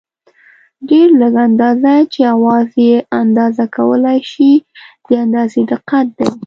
ډېره لږه اندازه چې اوزار یې اندازه کولای شي د اندازې دقت دی.